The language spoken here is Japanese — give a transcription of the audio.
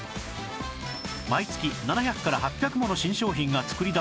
毎月７００から８００もの新商品が作り出される中